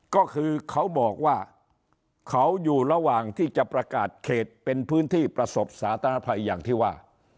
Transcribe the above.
ก็คือเขาบอกว่าเขาอยู่ระหว่างที่จะประกาศเขตเป็นพื้นที่ประสบสาธารณภัยอย่างที่ว่า